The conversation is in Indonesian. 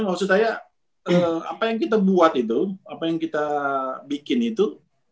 maksud saya apa yang kita buat itu apa yang kita bikin itu